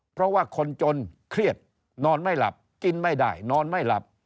เพราะว่าคนจนเครียดนอนไม่หลับกินไม่ได้นอนไม่หลับ